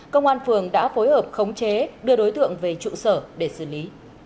công an phường đã phối hợp khống chế đưa đối tượng về trụ sở để xử lý